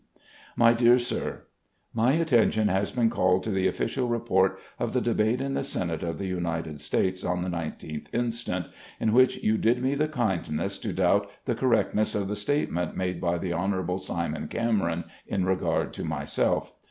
"My Dear Sir: My attention has been called to the official report of the debate in the Senate of the United States, on the 19th instant, in which you did me the kindness to doubt the correctness of the statement made by the Honourable Simon Cameron, in regard to myself.